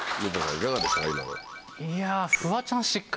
いかがでしたか？